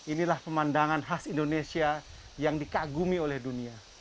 inilah pemandangan khas indonesia yang dikagumi oleh dunia